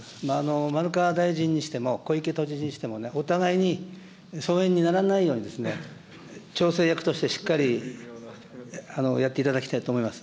丸川大臣にしても、小池都知事にしても、お互いに疎遠にならないように、調整役としてしっかりやっていただきたいと思います。